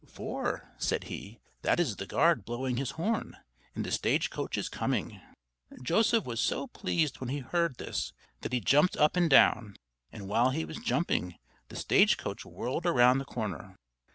"For," said he, "that is the guard blowing his horn, and the stage coach is coming!" Joseph was so pleased when he heard this that he jumped up and down; and while he was jumping, the stage coach whirled around the corner.